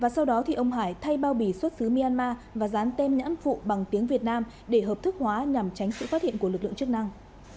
sau đó ông hải thay bao bì xuất xứ myanmar và dán tem nhãn phụ bằng tiếng việt nam để hợp thức hóa nhằm tránh sự phát hiện của lực lượng chức năng